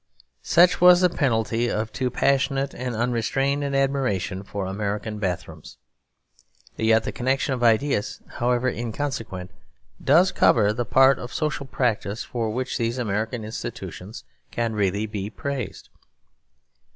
Such was the penalty of too passionate and unrestrained an admiration for American bathrooms; yet the connection of ideas, however inconsequent, does cover the part of social practice for which these American institutions can really be praised.